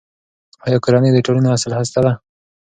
آیا کورنۍ د ټولنې اصلي هسته ده؟